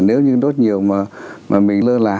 nếu như đốt nhiều mà mình lơ là